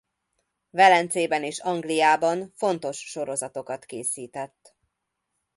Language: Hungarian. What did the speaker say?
Velencében és Angliában fontos sorozatokat készített.